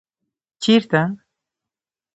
ـ چېرته؟